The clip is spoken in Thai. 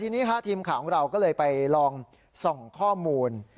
ทีนี้ทีมข่าวของเราก็เลยไปลองส่องข้อมูล